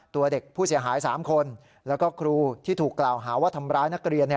ตัวเด็กผู้เสียหาย๓คนแล้วก็ครูที่ถูกกล่าวหาว่าทำร้ายนักเรียน